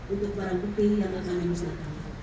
untuk barang bukti yang akan dimusnahkan